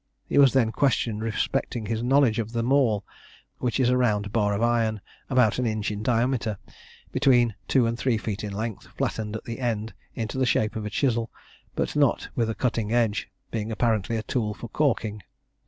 He was then questioned respecting his knowledge of the maul, which is a round bar of iron about an inch in diameter, between two and three feet in length, flattened at the end into the shape of a chisel, but not with a cutting edge, being apparently a tool for caulking.